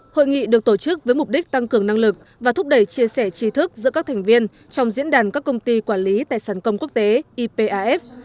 hội nghị được tổ chức với mục đích tăng cường năng lực và thúc đẩy chia sẻ trí thức giữa các thành viên trong diễn đàn các công ty quản lý tài sản công quốc tế ipaf